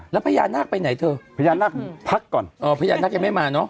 แล้วพญานาคไปไหนเธอพญานาคพักก่อนเออพญานาคยังไม่มาเนอะ